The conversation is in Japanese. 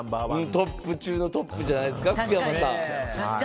トップ中のトップじゃないですか、福山さん。